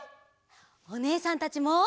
おねえさんたちも。